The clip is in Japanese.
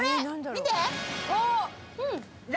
見て。